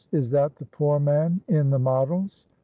is that the poor man in the Models?